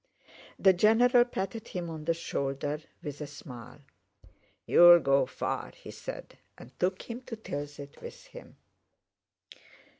The general patted him on the shoulder, with a smile. "You will go far," he said, and took him to Tilsit with him.